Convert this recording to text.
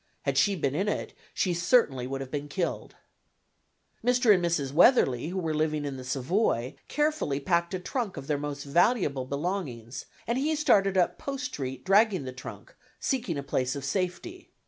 Had she been in it she certainly would have been killed. Mr. and Mrs. Weatherly, who were living in the Savoy, carefully packed a trunk of their most valuable belongings, and he started up Post Street dragging the trunk, seeking a place of safety.